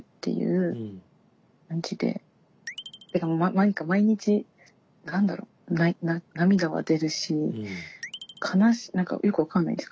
何か毎日何だろう涙は出るし悲しい何かよく分かんないんです。